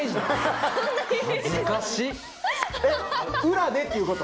裏でっていうこと？